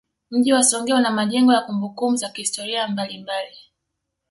Mji wa Songea una majengo ya kumbukumbu za kihistoria mbalimbali